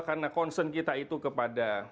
karena concern kita itu kepada